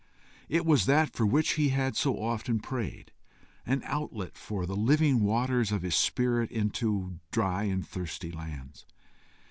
It was that for which he had so often prayed an outlet for the living waters of his spirit into dry and thirsty lands.